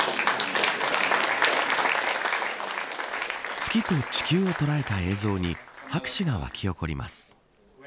月と地球を捉えた映像に拍手が沸き起こります。